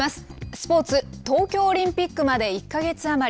スポーツ、東京オリンピックまで１か月余り。